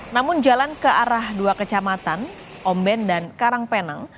namun jalan ke arah dua kecamatan omben dan karangpenang